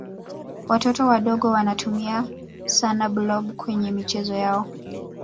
watoto wadogo wanamtumia sana blob kwenye michezo yao